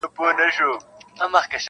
ما د عشق سبق ویلی ستا د مخ په سېپارو کي,